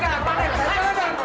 jangan mau jangan jangan